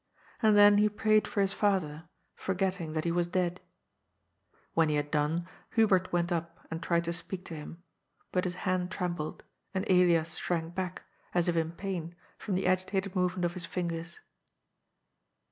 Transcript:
And then he prayed for his father, forgetting that he was dead. When he had done, Hubert went up and tried to speak to him, but his hand trembled, and Elias shrank back, as if in pain, from the agitated movement of his fingers.